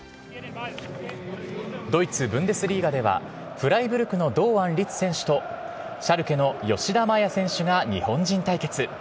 ドイツブンデスリーガでは、フライブルクの堂安律選手とシャルケの吉田麻也選手が日本人対決。